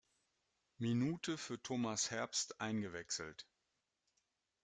Minute für Thomas Herbst eingewechselt.